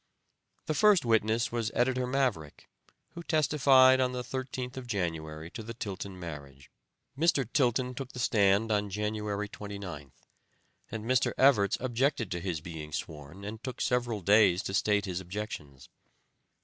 The first witness was Editor Maverick, who testified on the 13th of January to the Tilton marriage. Mr. Tilton took the stand on January 29th, and Mr. Evarts objected to his being sworn, and took several days to state his objections.